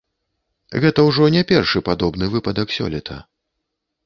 Гэта ўжо не першы падобны выпадак сёлета.